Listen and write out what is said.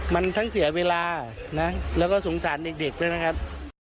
มันทั้งเสียเวลานะแล้วก็สงสารเด็กด้วยนะครับ